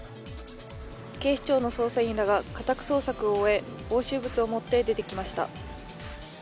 警視庁の捜査員らが家宅捜索を終え押収物を持って出てきました。